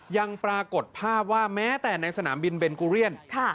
ยังปรากฏภาพว่าแม้แต่ในสนามบินเบนกูเรียน